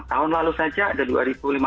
tahun lalu saja ada dua lima ratus